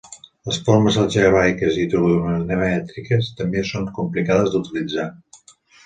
Les formes algebraiques i trigonomètriques també són complicades d'utilitzar.